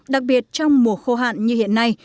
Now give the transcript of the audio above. đặc biệt trong mùa khô hạn như hiện nay